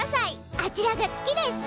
あちらが月です。